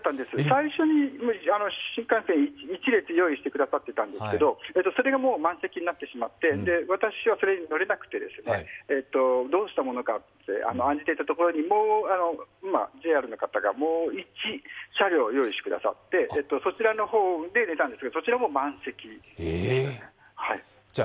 最初に新幹線、１列用意してくださっていたんですけどそれがもう満席になってしまって私はそれに乗れなくて、どうしたものかと案じていたところに、ＪＲの方が、もう１車両用意してくださって、そちらの方で寝たんですが、そちらも満席でした。